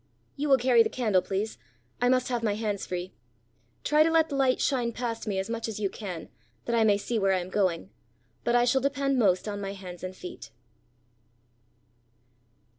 "You will carry the candle, please. I must have my hands free. Try to let the light shine past me as much as you can, that I may see where I am going. But I shall depend most on my hands and feet."